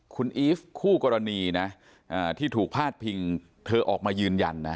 คุณอีฟคู่กรณีนะที่ถูกพาดพิงเธอออกมายืนยันนะ